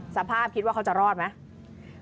สภาพคิดว่าเขาจะรอดไหม